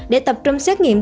để tập trung xét nghiệm